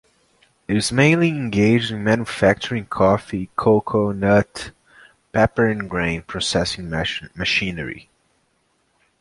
It is mainly engaged in manufacturing coffee, cocoa, nut, pepper and grain processing machinery.